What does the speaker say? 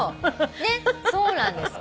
ねっそうなんです。